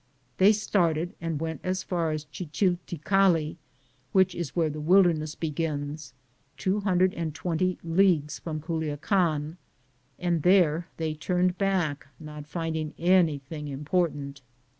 They started and went as far as Chichilticalli, which is where the wilderness begins, 220 leagues from Culia can, and there they turned back, not finding anything important.